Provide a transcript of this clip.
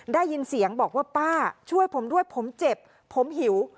ได้ยินเสียงบอกว่าป้าช่วยผมด้วยผมเจ็บผมหิว